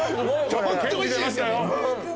ちょっと賢示出ましたよ。